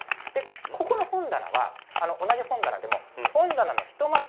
ここの本棚は、同じ本棚でも、本棚のひとます